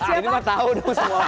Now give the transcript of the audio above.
ini mah tahu dong semua